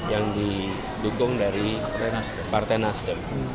yang didukung dari partai nasdem